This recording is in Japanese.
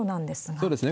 そうですね。